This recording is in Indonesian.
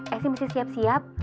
esi mesti siap siap